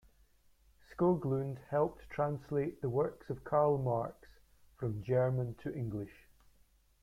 Skoglund helped translate the works of Karl Marx from German to English.